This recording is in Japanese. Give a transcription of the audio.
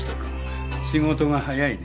仕事が早いね。